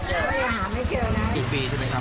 ทำวุญปีใช่ไหมครับ